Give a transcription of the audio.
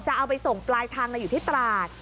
จะเอาไปส่งปลายทางอยู่ที่ตราด